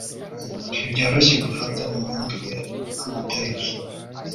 Ntibyoroshye gufata mu mutwe amatariki